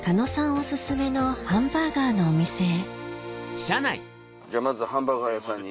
お薦めのハンバーガーのお店へじゃまずハンバーガー屋さんに。